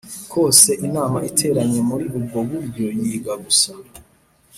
kose Inama iteranye muri ubwo buryo yiga gusa